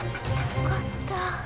よかった。